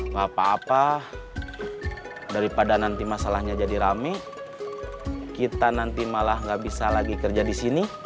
gak apa apa daripada nanti masalahnya jadi rame kita nanti malah nggak bisa lagi kerja di sini